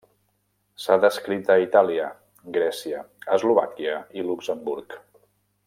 S’ha descrit a Itàlia, Grècia, Eslovàquia i Luxemburg.